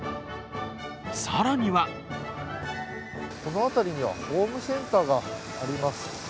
更にはこのあたりにはホームセンターがあります。